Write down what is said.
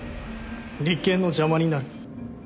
立件の邪魔になる。